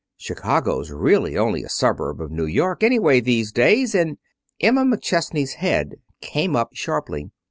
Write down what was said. "Chicago's really only a suburb of New York, anyway, these days, and " Emma McChesney's head came up sharply.